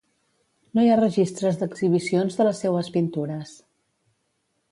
No hi ha registres d'exhibicions de les seues pintures.